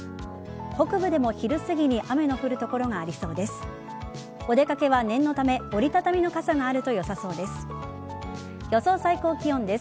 北部でも昼すぎに雨の降る所がありそうです。